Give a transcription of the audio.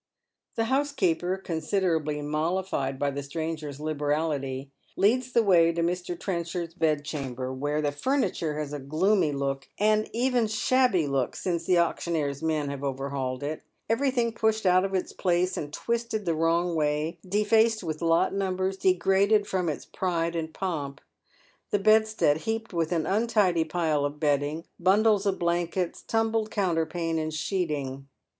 The housekeeper, considerably mollified by the stranger's liberality, leads the way to Mr. Trenchard's bedchamber, where the furniture has a gloomy and even shabby look since the auctioneer's men have overhauled it — eveiything pushed out of its place and twisted the wrong way, defaced with lot numbers, degraded from its pride and pomp. The bedstead heaped with an untidy pile of bedding, bundles of blankets, tumbled counter pane and sheeting.